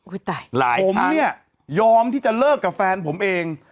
อุ้ยตายหลายครั้งผมเนี่ยยอมที่จะเลิกกับแฟนผมเอง